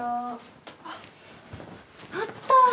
あっあった！